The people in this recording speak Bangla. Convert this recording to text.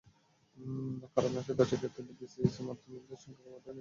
কারণ আশির দশকে তিনটি বিসিএসের মাধ্যমে বিরাটসংখ্যক কর্মকর্তাকে নিয়োগ দেওয়া হয়েছিল।